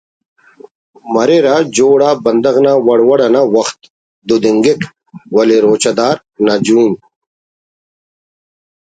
مریرہ جوڑ آ بندغ نا وڑ وڑ انا وخت تدینگک ولے روچہ دار نا جون